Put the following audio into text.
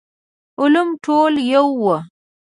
علوم ټول يو وو.